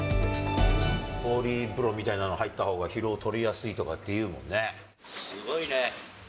氷風呂みたいなの入ったほうが、疲労とりやすいとかっていうもんね。